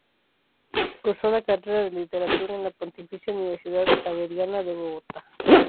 Cursó la carrera de Literatura en la Pontificia Universidad Javeriana de Bogotá.